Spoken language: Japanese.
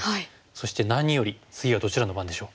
そして何より次はどちらの番でしょう？